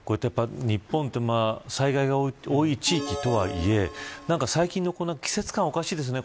日本は災害が多い地域とはいえ最近の季節感がおかしいですね。